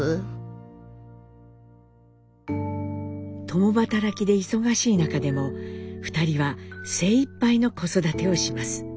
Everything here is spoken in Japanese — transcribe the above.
共働きで忙しい中でも２人は精いっぱいの子育てをします。